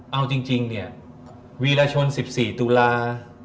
เอาจริงเนี่ยวีรชน๑๔ตุลา